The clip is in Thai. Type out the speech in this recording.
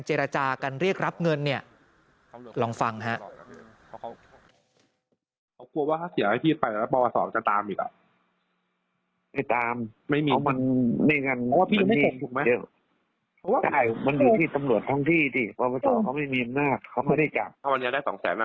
เจรจากันเรียกรับเงินเนี่ยลองฟังฮะ